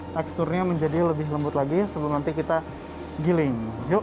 teksturnya menjadi lebih lembut lagi sebelum nanti kita giling yuk kita angkatkan boleh siap upah